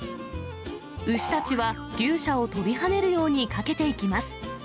牛たちは牛舎を跳びはねるように駆けていきます。